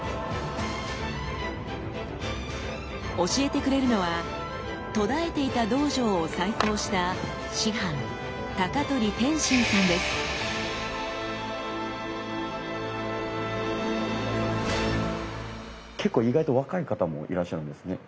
教えてくれるのは途絶えていた道場を再興した結構意外と若い方もいらっしゃるんですね。